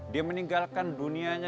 dia meninggalkan dunianya